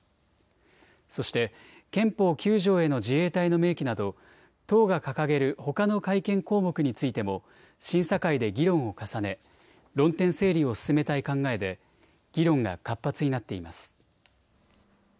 そして、憲法９条への自衛隊の明記など、党が掲げるほかの改憲項目についても、審査会で議論を重ね、論点整理を進めたい考えで、議論が活発になっています。